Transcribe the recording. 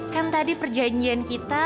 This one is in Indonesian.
kan tadi perjanjian kita